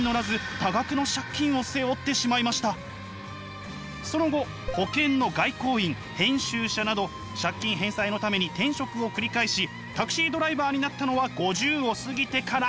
しかし軌道に乗らずその後保険の外交員編集者など借金返済のために転職を繰り返しタクシードライバーになったのは５０を過ぎてから。